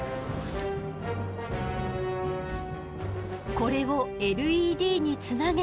これをＬＥＤにつなげると。